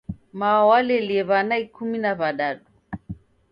Mao walelie w'ana ikumi na w'adadu.